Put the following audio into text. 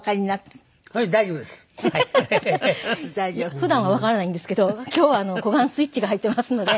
普段はわからないんですけど今日は小雁スイッチが入っていますので。